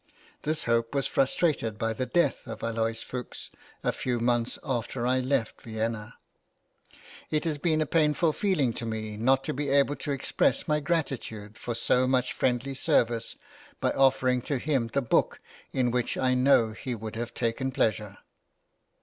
This hope was frustrated by the death of Aloys Fuchs a few months after I left Vienna. It has been a painful feeling to me not to be able to express my gratitude for so much friendly service by offering to him the book in which I know he would have taken pleasure.